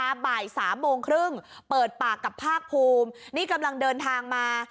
บ่ายสามโมงครึ่งเปิดปากกับภาคภูมินี่กำลังเดินทางมา